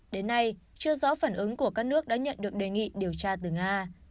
đến nay chưa rõ phản ứng của các nước đã nhận được đề nghị điều tra từ nga